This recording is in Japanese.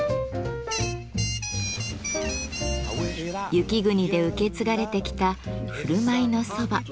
雪国で受け継がれてきた「振る舞いの蕎麦」。